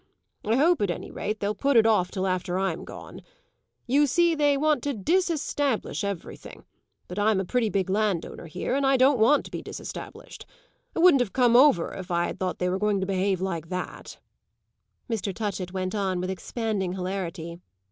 I hope at any rate they'll put it off till after I'm gone. You see they want to disestablish everything; but I'm a pretty big landowner here, and I don't want to be disestablished. I wouldn't have come over if I had thought they were going to behave like that," Mr. Touchett went on with expanding hilarity.